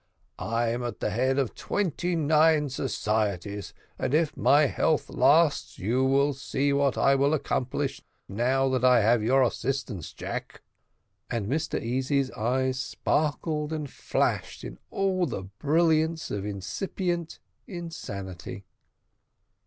I am at the head of twenty nine societies, and if my health lasts, you will see what I will accomplish now that I have your assistance, Jack;" and Mr Easy's eyes sparkled and flashed in all the brilliancy of incipient insanity.